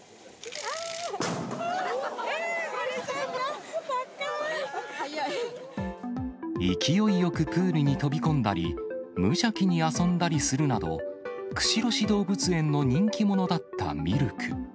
えー、勢いよくプールに飛び込んだり、無邪気に遊んだりするなど、釧路市動物園の人気者だったミルク。